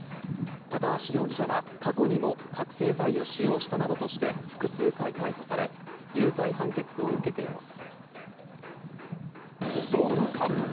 高橋容疑者は過去にも覚醒剤を使用したなどとして複数回逮捕され有罪判決を受けています。